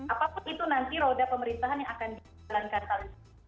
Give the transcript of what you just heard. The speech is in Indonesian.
apapun itu nanti roda pemerintahan yang akan dijalankan